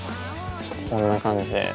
こんな感じで。